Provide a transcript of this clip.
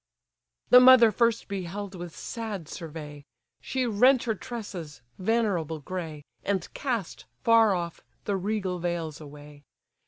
The mother first beheld with sad survey; She rent her tresses, venerable grey, And cast, far off, the regal veils away.